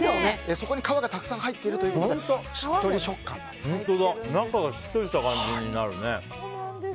そこに皮がたくさん入っているということで中がしっとりした感じになるね。